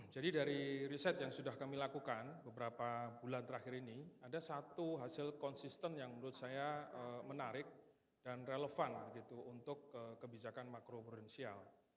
jadi dari riset yang sudah kami lakukan beberapa bulan terakhir ini ada satu hasil konsisten yang menurut saya menarik dan relevan untuk kebijakan makroprudensial